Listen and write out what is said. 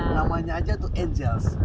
namanya aja tuh angel's